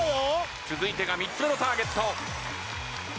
続いてが３つ目のターゲット。